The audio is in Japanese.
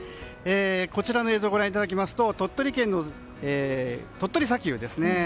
こちらの映像をご覧いただきますと鳥取砂丘ですね。